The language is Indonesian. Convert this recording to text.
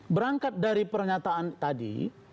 berangkat dari pernyataan tadi